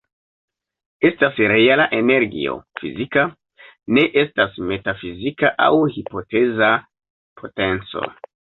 Estas reala energio, fizika; ne estas metafizika aŭ hipoteza potenco.